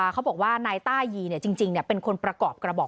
เขาบอกว่านายต้ายีเนี่ยจริงจริงเนี่ยเป็นคนประกอบกระบอก